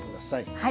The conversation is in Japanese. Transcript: はい。